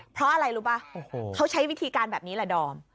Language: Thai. เพราะอะไรรู้ป่ะเขาใช้วิธีการแบบนี้แหละดอม